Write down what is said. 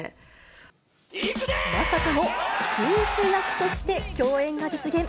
まさかの夫婦役として共演が実現。